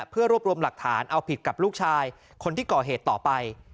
เพื่อรวบรวมหลักฐานเอาผิดกับลูกชายคนที่ก่อเหตุต่อไป